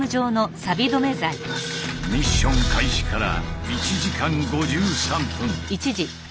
ミッション開始から１時間５３分。